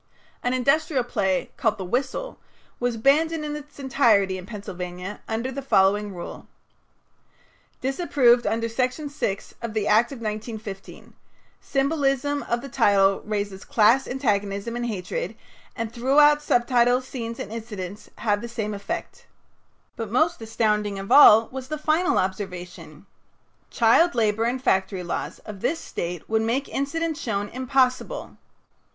An industrial play called "The Whistle" was banned in its entirety in Pennsylvania under the following ruling: "Disapproved under Section 6 of the Act of 1915. Symbolism of the title raises class antagonism and hatred, and throughout subtitles, scenes, and incidents have the same effect." But most astounding of all was the final observation: "Child labor and factory laws of this State would make incident shown impossible."